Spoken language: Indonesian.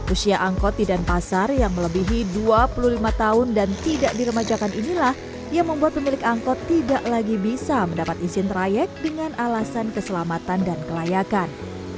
usia angkot di denpasar yang melebihi dua puluh lima tahun dan tidak diremajakan inilah yang membuat pemilik angkut tidak lagi bisa mendapat izin trayek dengan alasan keselamatan dan kelayakan